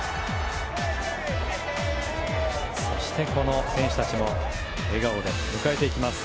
そして選手たちも笑顔で迎えていきます。